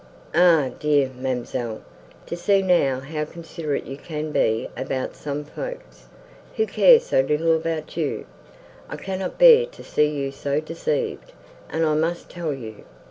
"Ah dear, ma'amselle!—to see now how considerate you can be about some folks, who care so little about you! I cannot bear to see you so deceived, and I must tell you.